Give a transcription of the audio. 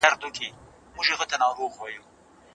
هغه وایي چې ورزش د ټولو ناروغیو درمل دی.